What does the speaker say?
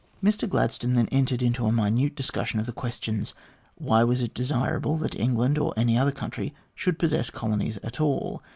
Mr Gladstone then entered into a minute discussion of the questions "Why was it desirable that England, or any other country, should possess colonies at all